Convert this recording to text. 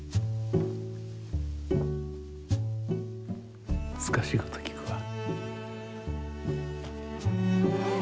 むずかしいこときくわ。